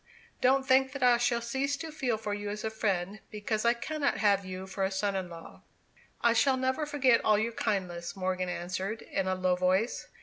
Don't think that I shall cease to feel for you as a friend, because I cannot have you for a son in law." "I shall never forget all your kindness," Morgan answered, in a low voice.